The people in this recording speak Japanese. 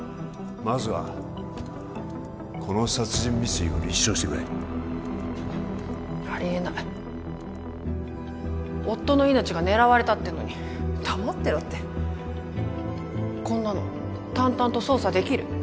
まずはこの殺人未遂を立証してくれありえない夫の命が狙われたっていうのに黙ってろってこんなの淡々と捜査できる？